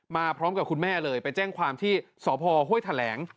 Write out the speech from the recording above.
มาพร้อมกับคุณแม่เลยไปแจ้งความที่สพห้วยแถลง